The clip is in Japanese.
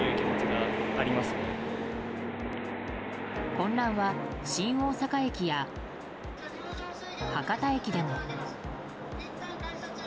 混乱は、新大阪駅や博多駅でも。